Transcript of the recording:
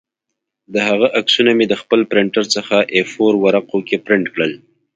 د هغه عکسونه مې د خپل پرنټر څخه اې فور ورقو کې پرنټ کړل